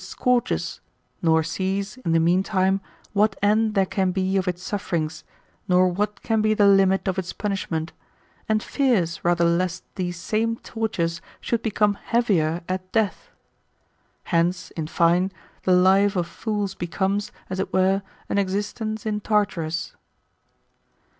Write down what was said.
scourges, nor sees, in the mean time, what end there can be of its sufferings, nor whilt can be the limit of its punishment, and fears rather lest these same tortures should become heavier at death. Hence, in fine, the life of foold becomes, as it were, an existence in Tartarus.